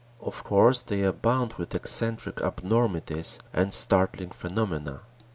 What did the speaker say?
Of course, they abound with eccentric abnormities and startling phenomena.